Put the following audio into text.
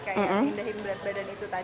kayak pindahin berat badan itu tadi